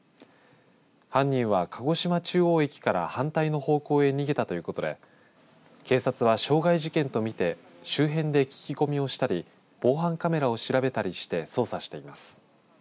犯人は鹿児島中央駅から反対の方向へ逃げたということで警察は傷害事件と見て周辺で聞き込みをしたり防犯カメラを調べたりして捜査しています。